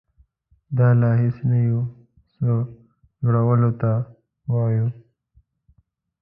دا له هیڅ نه یو څه جوړولو ته وایي.